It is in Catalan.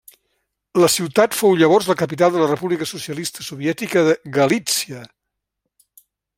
La ciutat fou llavors la capital de la República Socialista Soviètica de Galítsia.